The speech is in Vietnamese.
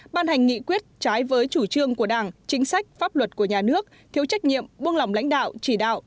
ban hành nghị quyết trái với chủ trương của đảng chính sách pháp luật của nhà nước thiếu trách nhiệm buông lỏng lãnh đạo chỉ đạo